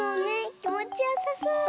きもちよさそう！